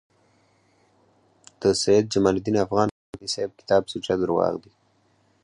د سید جمالدین افغان په اړه د جهانی صیب کتاب سوچه درواغ دی